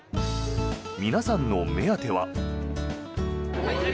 皆さんの目当ては。